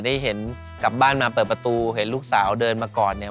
ได้เห็นกลับบ้านมาเปิดประตูเห็นลูกสาวเดินมาก่อนเนี่ย